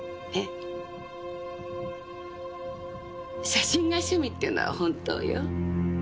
写真が趣味っていうのは本当よ。